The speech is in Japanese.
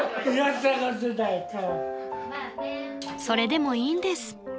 ［それでもいいんです］